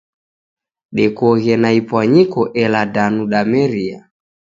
Dekoghe na ipwanyiko ela danu dameria.